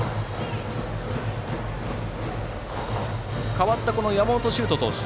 代わった山本翔斗投手